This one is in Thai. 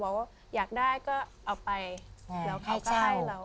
เขาบอกอยากได้ก็เอาไปเขาให้เรา